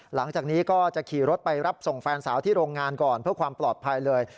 หลังจากนี้ก็จะขี่รถไปรับส่งแฟนสาวที่โรงงานก่อนเพื่อความปลอดภัยเลย